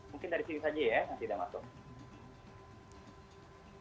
mungkin dari sini saja ya nanti udah masuk